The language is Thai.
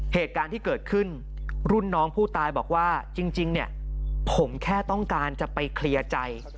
เหตุการณ์ที่เกิดขึ้นรุ่นน้องผู้ตายบอกว่าจริงเนี่ยผมแค่ต้องการจะไปเคลียร์ใจ